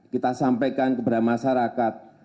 kita sampaikan kepada masyarakat